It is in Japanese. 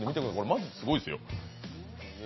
マジですごいですよ。